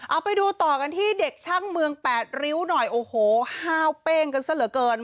เอาไปดูต่อกันที่เด็กช่างเมืองแปดริ้วหน่อยโอ้โหห้าวเป้งกันซะเหลือเกิน